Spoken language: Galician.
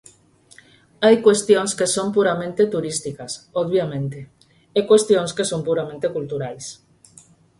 Hai cuestións que son puramente turísticas, obviamente, e cuestións que son puramente culturais.